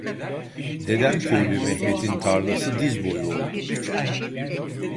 Dedemköylü Mehmet'in tarlası diz boyu oldu.